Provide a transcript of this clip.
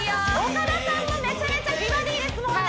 岡田さんもめちゃめちゃ美バディですもんね